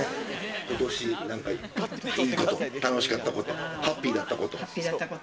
ことし、なんかいいこと、楽しかったこと、ハッピーだったこと。